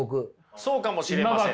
そうかもしれません。